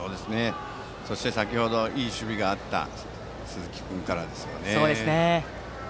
そして、先程いい守備があった鈴木君からの打順ですね。